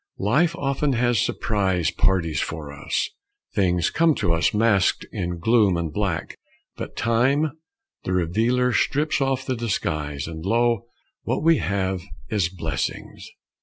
Life often has surprise parties for us. Things come to us masked in gloom and black; but Time, the revealer, strips off the disguise, and lo, what we have is blessings.